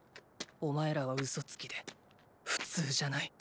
お前らはウソつきで普通じゃない。